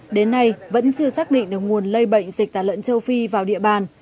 đến nay vẫn chưa xác định được nguồn lây bệnh dịch tả lợn châu phi vào địa bàn